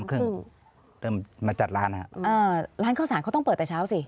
ครึ่งเริ่มมาจัดร้านฮะอ่าร้านข้าวสารเขาต้องเปิดแต่เช้าสิ